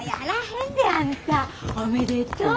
おめでとう。